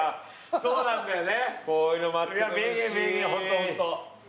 そうなんだよね。